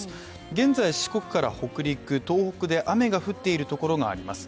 現在、四国から北陸、東北で雨が降っているところがあります。